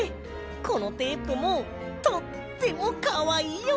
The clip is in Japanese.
このテープもとってもかわいいよ！